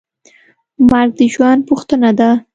مرګ د ژوند پوښتنه ده.